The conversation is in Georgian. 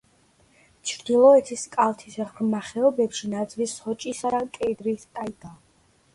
ჩრდილოეთის კალთის ღრმა ხეობებში ნაძვის, სოჭისა და კედრის ტაიგაა.